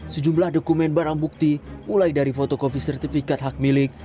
sejumlah dokumen barang bukti mulai dari fotokopi sertifikat hak milik